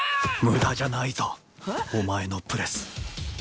無駄じゃないぞお前のプレス。